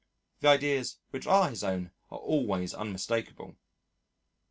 The ideas which are his own are always unmistakable.